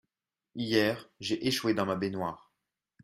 Hier, j’ai échoué dans ma baignoire.